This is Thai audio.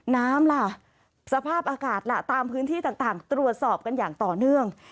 น้ำล่ะสภาพอากาศล่ะตามพื้นที่ต่างตรวจสอบกันอย่างต่อเนื่อง